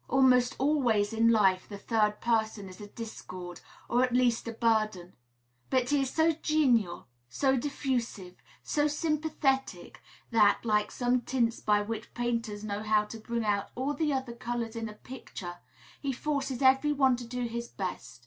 Almost always in life the third person is a discord, or at least a burden; but he is so genial, so diffusive, so sympathetic, that, like some tints by which painters know how to bring out all the other colors in a picture, he forces every one to do his best.